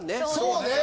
そうね。